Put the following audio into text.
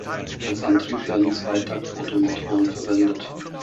Als Antrieb werden Zweitakt-Ottomotoren verwendet.